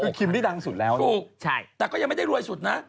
คือคิมที่ดังสุดแล้วถูกใช่แต่ก็ยังไม่ได้รวยสุดนะ